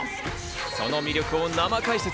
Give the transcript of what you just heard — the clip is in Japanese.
その魅力を生解説。